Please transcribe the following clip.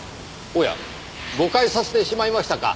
おや誤解させてしまいましたか。